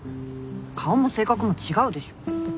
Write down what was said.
顔も性格も違うでしょ。